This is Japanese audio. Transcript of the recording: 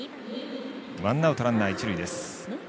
ワンアウト、ランナー、一塁です。